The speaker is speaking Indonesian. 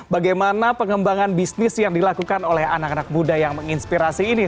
bagaimana pengembangan bisnis yang dilakukan oleh anak anak muda yang menginspirasi ini